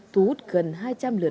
thu hút gần hai triệu đồng